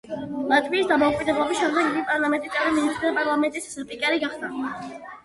ლატვიის დამოუკიდებლობის შემდეგ იგი პარლამენტის წევრი, მინისტრი და პარლამენტის სპიკერი გახდა.